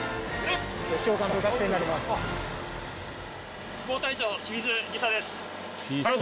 教官と学生になります。